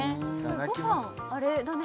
ご飯あれだね